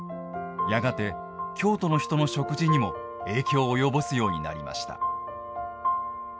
やがて、京都の人の食事にも影響を及ぼすようになりました。